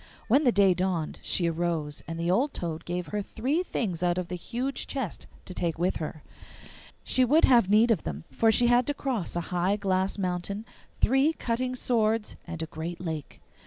When the day dawned she arose, and the old toad gave her three things out of the huge chest to take with her. She would have need of them, for she had to cross a high glass mountain, three cutting swords, and a great lake.